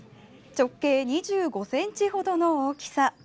直径２５ｃｍほどの大きさ。